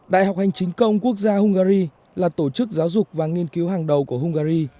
đại học hành chính công quốc gia hungary là tổ chức giáo dục và nghiên cứu hàng đầu của hungary